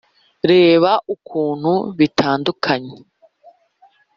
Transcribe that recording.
Reba ukuntu bitandukanye.